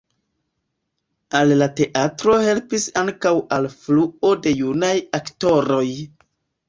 Al la teatro helpis ankaŭ alfluo de junaj aktoroj.